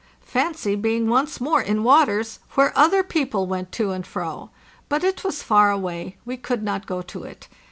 Fancy being once more in waters where other people went to and fro! But it was far away; we could not go to it.